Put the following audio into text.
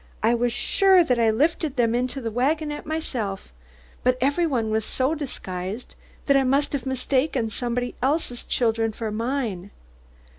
I was sure that I lifted them into the wagonette myself, but every one was so disguised that I must have mistaken somebody else's children for mine."